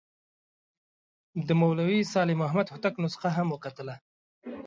د مولوي صالح محمد هوتک نسخه هم وکتله.